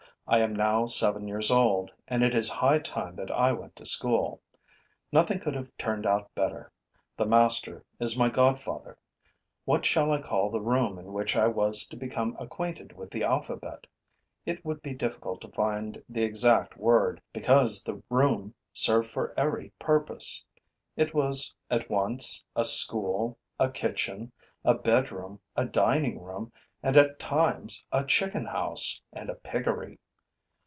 I am now seven years old; and it is high time that I went to school. Nothing could have turned out better: the master is my godfather. What shall I call the room in which I was to become acquainted with the alphabet? It would be difficult to find the exact word, because the room served for every purpose. It was at once a school, a kitchen, a bedroom, a dining room and, at times, a chicken house and a piggery.